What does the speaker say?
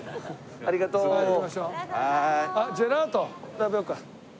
ありがとうございます。